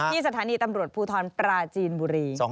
สถานีตำรวจภูทรปราจีนบุรี